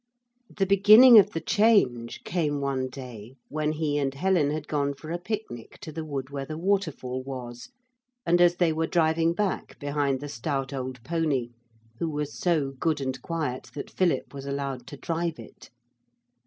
The beginning of the change came one day when he and Helen had gone for a picnic to the wood where the waterfall was, and as they were driving back behind the stout old pony, who was so good and quiet that Philip was allowed to drive it.